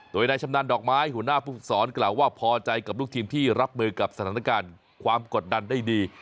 โดยนายชำนาญดอกไม้หัวหน้าผู้ฝึกสอนกล่าวว่าพอใจกับลูกทีมที่รับมือกับสถานการณ์ความกดดันได้ดี